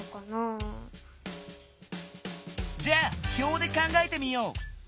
じゃあ表で考えてみよう！